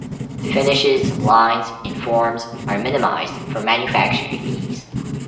Finishes, lines, and forms are minimised for manufacturing ease.